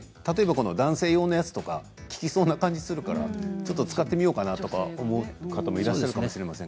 男性のものは効きそうな感じがあるから使ってみようと思う方もいらっしゃるかもしれません。